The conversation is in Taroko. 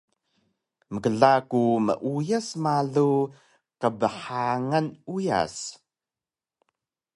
Mkla ku meuyas malu qbhangan uyas